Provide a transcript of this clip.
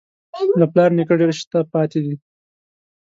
له پلار نیکه ډېر شته پاتې دي.